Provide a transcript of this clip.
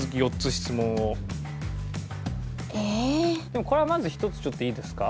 でもこれはまず１つちょっといいですか？